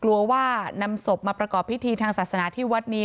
กลัวว่านำศพมาประกอบพิธีทางศาสนาที่วัดนี้